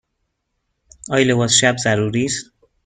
آیا لباس شب ضروری است؟